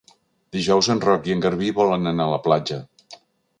Dijous en Roc i en Garbí volen anar a la platja.